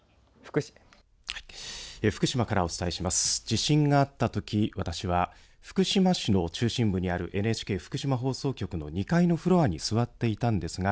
地震があったとき私は福島市の中心部にあるＮＨＫ福島放送局の２階のフロアに座っていたんですが